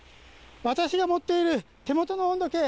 私の持っている手元の温度計